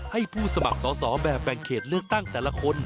ให้ผู้สมัครสอสอแบบแบ่งเขตเลือกตั้งแต่ละคน